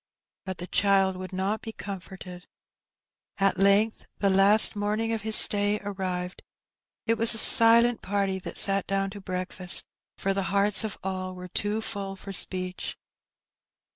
But the child would not be comforted. At length the last morning of his stay arrived. It was a silent party that sat down to breakfast, for the hearts of all were too full for speech.